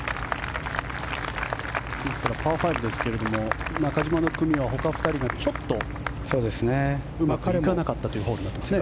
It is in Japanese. ですから、パー５ですが中島の組はほか２人がちょっとうまくいかなかったというホールになっています。